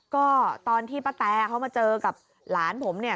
ก็ตอนที่ป้าแตเขามาเจอกับหลานผมเนี่ย